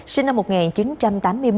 sinh năm một nghìn chín trăm tám mươi một